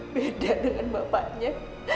beda dengan bapaknya